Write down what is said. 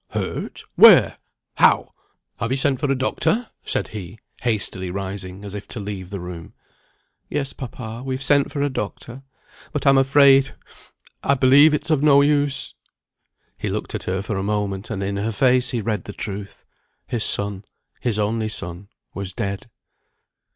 "Hurt? Where? How? Have you sent for a doctor?" said he, hastily rising, as if to leave the room. "Yes, papa, we've sent for a doctor but I'm afraid I believe it's of no use." He looked at her for a moment, and in her face he read the truth. His son, his only son, was dead.